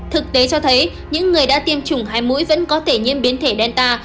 thực tế cho thấy những người đã tiêm chủng hai mũi vẫn có thể nhiễm biến thể delta